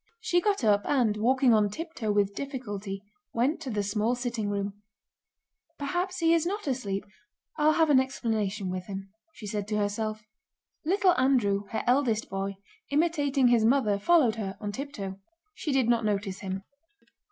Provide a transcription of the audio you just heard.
She got up and, walking on tiptoe with difficulty, went to the small sitting room. "Perhaps he is not asleep; I'll have an explanation with him," she said to herself. Little Andrew, her eldest boy, imitating his mother, followed her on tiptoe. She did not notice him.